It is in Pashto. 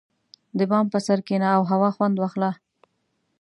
• د بام پر سر کښېنه او هوا خوند واخله.